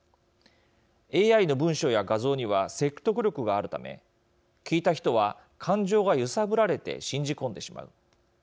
ＡＩの文章や画像には説得力があるため聞いた人は感情が揺さぶられて信じ込んでしまう。